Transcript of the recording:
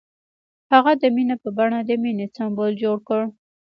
هغه د مینه په بڼه د مینې سمبول جوړ کړ.